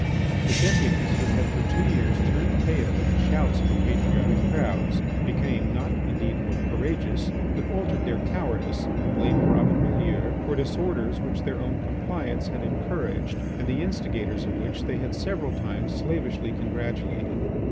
The deputies who had for two years turned pale at the shouts of the patriotic crowds became, not indeed more courageous, but altered their cowardice and blamed Robin Mielleux for disorders which their own compliance had encouraged, and the instigators of which they had several times slavishly congratulated.